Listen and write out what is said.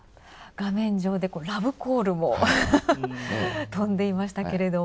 画面上でラブコールも飛んでいましたけれども。